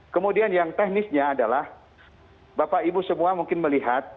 kemudian yang teknisnya adalah bapak ibu semua mungkin melihat